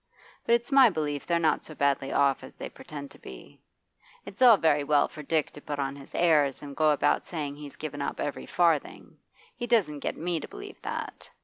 But it's my belief they're not so badly off as they pretend to be. It's all very well for Dick to put on his airs and go about saying he's given up every farthing; he doesn't get me to believe that.